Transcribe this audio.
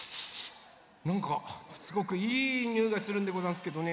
なんかすごくいいにおいがするんでござんすけどね。